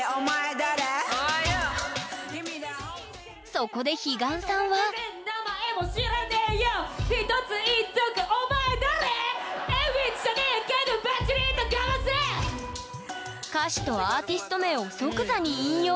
そこで彼岸さんは歌詞とアーティスト名を即座に引用。